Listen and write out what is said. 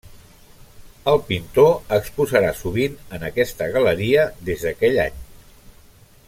El pintor exposarà sovint en aquesta galeria des d'aquell any.